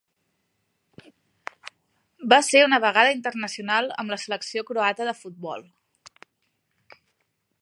Va ser una vegada internacional amb la selecció croata de futbol.